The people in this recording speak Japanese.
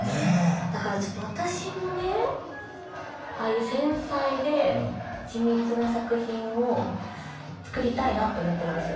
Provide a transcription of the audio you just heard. だからちょっと私もねああいう繊細で緻密な作品を作りたいなって思ってるんですよ。